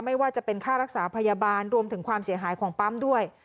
ไม่ว่าจะเป็นค่ารักษาพยาบาลรวมถึงความเสียหายของปั๊มด้วย